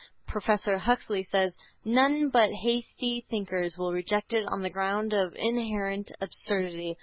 Professor Huxley says: "None but hasty thinkers will reject it on the ground of inherent absurdity.